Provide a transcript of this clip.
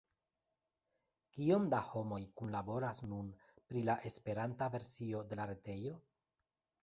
Kiom da homoj kunlaboras nun pri la Esperanta versio de la retejo?